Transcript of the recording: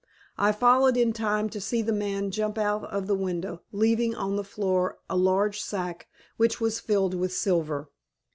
I followed in time to see the man jump out of the window, leaving on the floor a large sack, which was filled with silver.